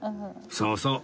そうそう。